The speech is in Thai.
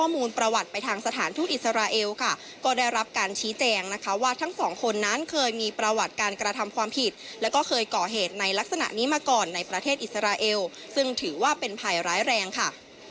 ประวัติไปทางสถานทูตอิสราเอลค่ะก็ได้รับการชี้แจงนะคะว่าทั้งสองคนนั้นเคยมีประวัติการกระทำความผิดแล้วก็เคยก่อเหตุในลักษณะนี้มาก่อนในประเทศอิสราเอลซึ่งถือว่าเป็นภัยร้ายแรงค่ะ